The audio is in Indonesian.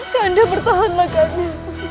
kak anda bertahanlah kak anda